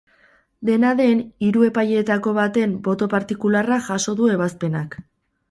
Dena den, hiru epaileetako baten boto partikularra jaso du ebazpenak.